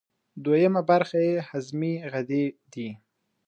دویمه برخه یې هضمي غدې دي.